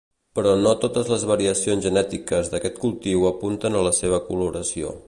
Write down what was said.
Però no totes les variacions genètiques d'aquest cultiu apunten a la seva coloració.